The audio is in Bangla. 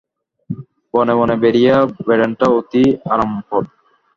বনে বনে বেরিয়ে বেড়ানটা অতি আরামপ্রদ।